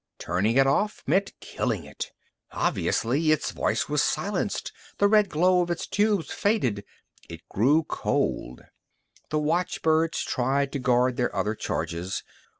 Turning it off meant killing it. Obviously its voice was silenced, the red glow of its tubes faded, it grew cold. The watchbirds tried to guard their other charges.